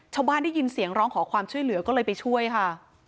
ได้ยินเสียงร้องขอความช่วยเหลือก็เลยไปช่วยค่ะ